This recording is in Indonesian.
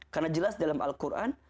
karena jelas dalam al quran